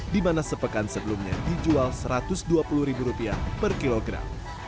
di mana sepekan sebelumnya dijual satu ratus dua puluh ribu rupiah per kilogram